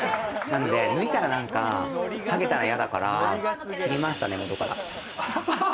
抜いたら、なんかハゲたら嫌だから切りました、根元から。